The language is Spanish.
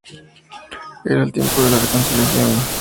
Era el tiempo de la reconciliación.